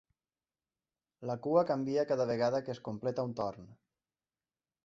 La cua canvia cada vegada que es completa un torn.